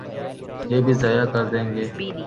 یہ بھی ضائع کر دیں گے۔